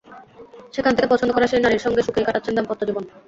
সেখান থেকে পছন্দ করা সেই নারীর সঙ্গে সুখেই কাটাচ্ছেন দাম্পত্য জীবন।